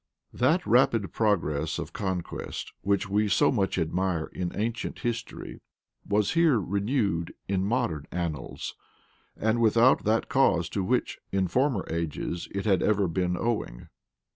That rapid progress of conquest which we so much admire in ancient history, was here renewed in modern annals; and without that cause to which, in former ages, it had ever been owing.